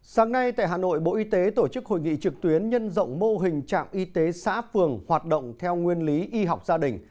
sáng nay tại hà nội bộ y tế tổ chức hội nghị trực tuyến nhân rộng mô hình trạm y tế xã phường hoạt động theo nguyên lý y học gia đình